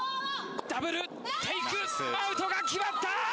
ダブルテイクアウトが決まった！